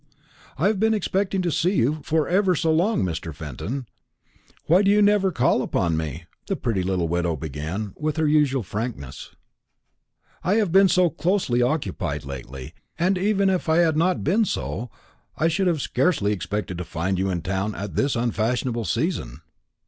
"I have been expecting to see you for ever so long, Mr. Fenton. Why do you never call upon me?" the pretty little widow began, with her usual frankness. "I have been so closely occupied lately; and even if I had not been so, I should have scarcely expected to find you in town at this unfashionable season."